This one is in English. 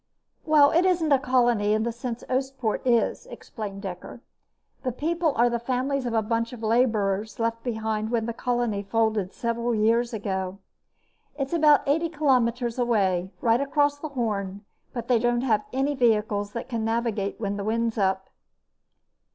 "It isn't a colony, in the sense Oostpoort is," explained Dekker. "The people are the families of a bunch of laborers left behind when the colony folded several years ago. It's about eighty kilometers away, right across the Hoorn, but they don't have any vehicles that can navigate when the wind's up."